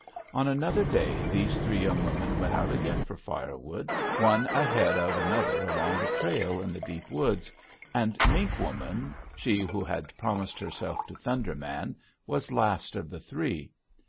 "On another day these three young women went out again for firewood, one ahead of another along the trail in the deep woods, and Mink Woman, she who had promised herself to Thunder Man, was last of the three.